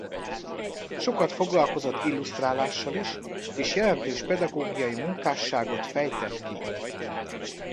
Sokat foglalkozott illusztrálással is és jelentős pedagógiai munkásságot fejtett ki.